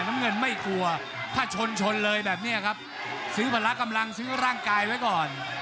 น้ำเงินไม่กลัวถ้าชนชนเลยแบบนี้ครับซื้อพละกำลังซื้อร่างกายไว้ก่อน